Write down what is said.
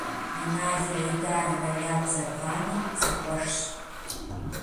Иналрэ Идаррэ ягу зэбгъами, зэкъуэшщ.